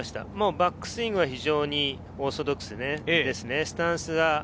バックスイングは非常にオーソドックスですね。